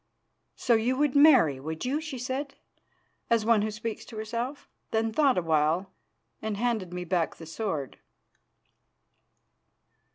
"So you would marry, would you?" she said, as one who speaks to herself; then thought awhile, and handed me back the sword.